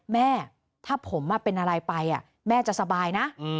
แม่ถ้าผมเป็นอะไรไปแม่จะสบายนะ